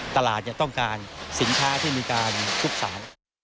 ตลาดต้องการสินค้าที่มีการทุบสาร